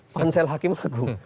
pansel hakim lagu